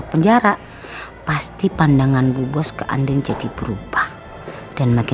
karena kamu udah janji sama aku